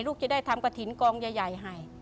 ลูกจะได้ทำกระถิ่นกองใหญ่ให้